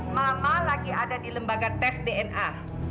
mama lagi ada di lembaga tes dna